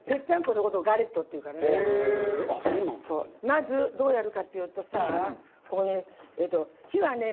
まずどうやるかっていうとさここに。